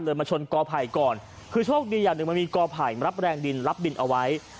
มาชนกอไผ่ก่อนคือโชคดีอย่างหนึ่งมันมีกอไผ่มารับแรงดินรับดินเอาไว้